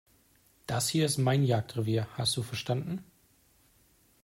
Das hier ist mein Jagdrevier, hast du verstanden?